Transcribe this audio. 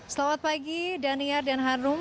selamat pagi daniar dan harum